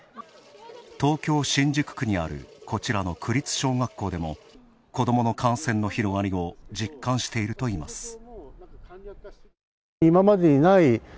東京・新宿区にあるこちらの区立小学校でも子どもの感染の広がりを実感しているといいます。